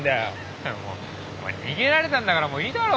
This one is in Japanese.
逃げられたんだからもういいだろ。